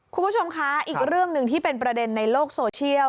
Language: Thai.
คุณผู้ชมคะอีกเรื่องหนึ่งที่เป็นประเด็นในโลกโซเชียล